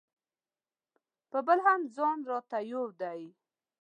په بل هم ځان راته یو دی.